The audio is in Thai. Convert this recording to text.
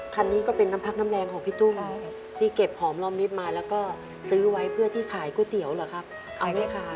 คันนี้ก็เป็นน้ำพักน้ำแรงของพี่ตุ้มที่เก็บหอมรอมมิตรมาแล้วก็ซื้อไว้เพื่อที่ขายก๋วยเตี๋ยวเหรอครับเอาไว้ขาย